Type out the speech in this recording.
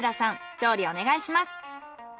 調理お願いします。